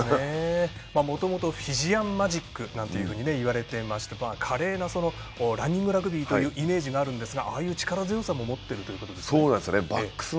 もともとフィジアンマジックなんていわれておりまして華麗なランニングラグビーというイメージがあるんですがああいう力強さも持っているということですね。